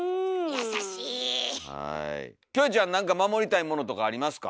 優しい！キョエちゃん何か守りたいものとかありますか？